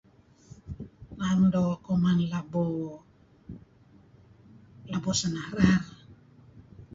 Naem doo' kuman labo labo sinanar.